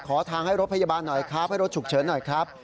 ทางให้รถพยาบาลหน่อยครับให้รถฉุกเฉินหน่อยครับ